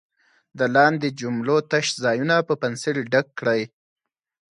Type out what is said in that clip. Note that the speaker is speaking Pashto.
د لاندې جملو تش ځایونه په پنسل ډک کړئ.